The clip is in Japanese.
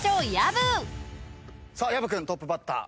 さあ薮君トップバッター。